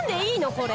これ。